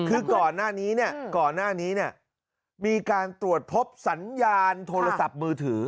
คือก่อนหน้านี้เนี่ยก่อนหน้านี้เนี่ยมีการตรวจพบสัญญาณโทรศัพท์มือถือ